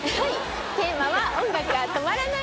テーマは、音楽が止まらない。